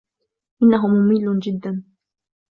إنه ممل جدا.